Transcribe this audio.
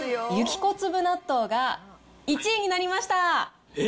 雪こつぶ納豆が１位になりました。